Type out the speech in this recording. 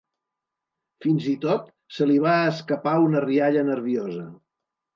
Fins i tot, se li va escapar una rialla nerviosa.